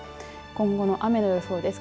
今後の雨の予想です。